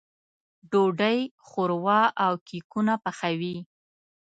ډوډۍ، ښوروا او کيکونه پخوي.